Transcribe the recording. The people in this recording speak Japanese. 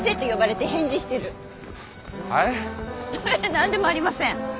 何でもありません。